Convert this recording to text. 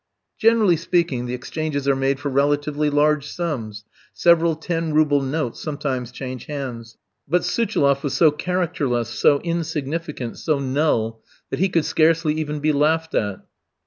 Generally speaking, the exchanges are made for relatively large sums; several ten rouble notes sometimes change hands. But Suchiloff was so characterless, so insignificant, so null, that he could scarcely even be laughed at.